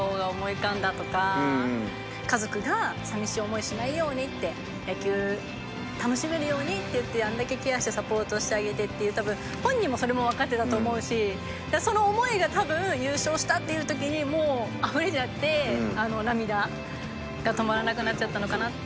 家族が寂しい思いしないようにって野球楽しめるようにっていってあんだけケアしてサポートしてあげてって本人も分かってたと思うしその思いが多分優勝したっていう時にもうあふれちゃってあの涙が止まらなくなっちゃったのかな。